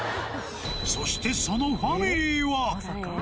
そしてそのファミリーは？